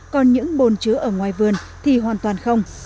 còn những bồn chứa ở ngoài vườn thì hoàn toàn không